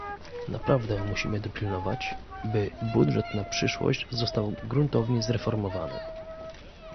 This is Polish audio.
naprawdę musimy dopilnować, by budżet na przyszłość został gruntownie zreformowany